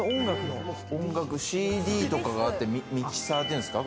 ＣＤとかがあって、ミキサーっていうんですか？